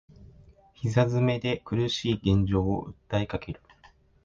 膝詰めで苦しい現状を訴えかける